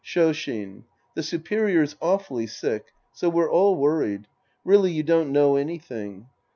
Shoshin. The superior's awfully sick. So we're all worried. Really, you don't know anything.